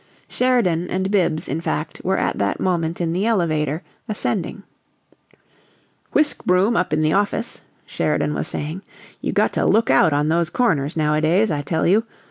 Sheridan and Bibbs, in fact, were at that moment in the elevator, ascending. "Whisk broom up in the office," Sheridan was saying. "You got to look out on those corners nowadays, I tell you.